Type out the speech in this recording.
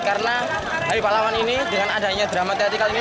karena hari pahlawan ini dengan adanya drama teatrikal ini